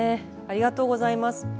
ありがとうございます。